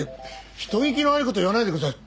人聞きの悪い事言わないでください。